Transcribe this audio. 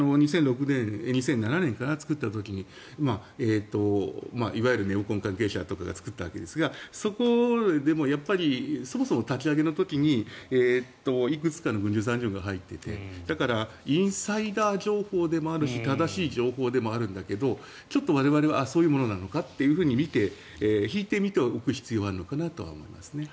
ＩＳＷ、２００７年かな作った時にいわゆるネオコン関係者とかが作ったわけですがそこでもそもそも立ち上げの時にいくつかの軍需産業が入っていてだからインサイダー情報でもあるし正しい情報でもあるんだけどちょっと我々はそういうものなのかと引いて見ておく必要があるのかなと思いますね。